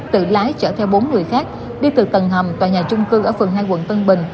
tự lái chở theo bốn người khác đi từ tầng hầm tòa nhà trung cư ở phường hai quận tân bình